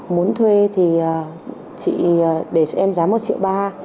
muốn thuê thì chị để cho em giá một triệu ba